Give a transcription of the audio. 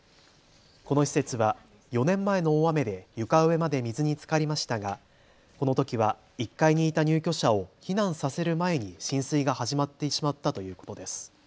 この施設は４年前の大雨で床上まで水につかりましたがこのときは１階にいた入居者を避難させる前に浸水が始まってしまったということです。